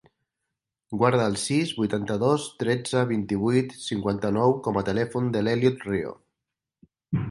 Guarda el sis, vuitanta-dos, tretze, vint-i-vuit, cinquanta-nou com a telèfon de l'Elliot Rio.